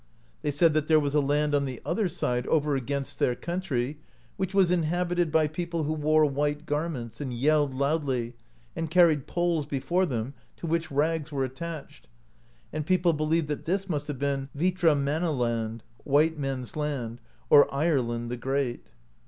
They said that there was a land on the other side over against their country, which was inhabited by people who wore white garments, and yelled loudly, and carried poles before them, to which rags were attached; and people believe that this must have been Hvitramanna land [White men's land] , or Ireland the Great (68).